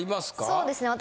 そうですね